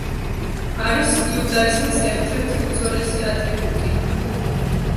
არის იუდაიზმის ერთ ერთი უძველესი ატრიბუტი.